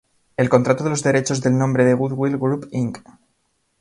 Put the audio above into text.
El contrato de los derechos del nombre de Goodwill Group, Inc.